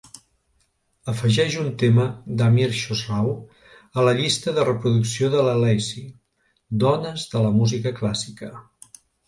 Afegeix un tema d'Amir Chosrau a la llista de reproducció de la Lacey "dones de la música clàssica".